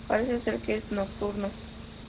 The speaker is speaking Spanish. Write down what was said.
Parece ser que es nocturno.